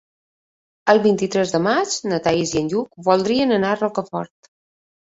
El vint-i-tres de maig na Thaís i en Lluc voldrien anar a Rocafort.